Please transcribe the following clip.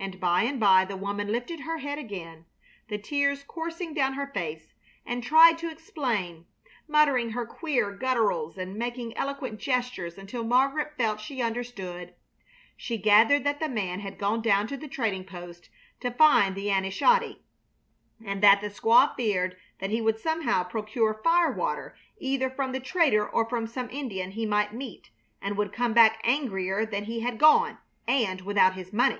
And by and by the woman lifted her head again, the tears coursing down her face, and tried to explain, muttering her queer gutturals and making eloquent gestures until Margaret felt she understood. She gathered that the man had gone down to the trading post to find the "Aneshodi," and that the squaw feared that he would somehow procure firewater either from the trader or from some Indian he might meet, and would come back angrier than he had gone, and without his money.